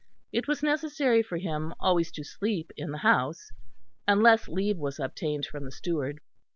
It was necessary for him always to sleep in the house, unless leave was obtained from the steward.